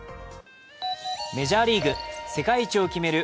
メジャーリーグ、世界一を決める